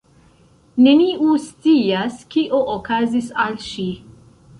Neniu scias kio okazis al ŝi